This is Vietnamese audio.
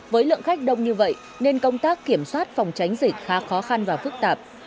với lượng khách đông như vậy nên công tác kiểm soát phòng tránh dịch khá khó khăn và phức tạp